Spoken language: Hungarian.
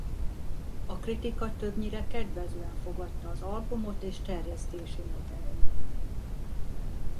A kritika többnyire kedvezően fogadta az albumot és terjesztési modelljét.